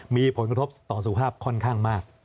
มีผลกระทบต่อสุขภาพค่อนข้างมาก